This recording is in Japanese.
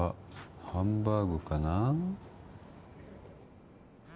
ハンバーグかな？